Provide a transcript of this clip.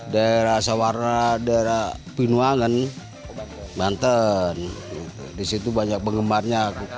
daerah sawarna daerah pinuangan banten disitu banyak penggemarnya